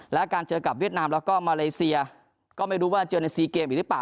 และการเจอกับเวียดนามแล้วก็มาเลเซียก็ไม่รู้ว่าเจอในซีเกมอีกหรือเปล่า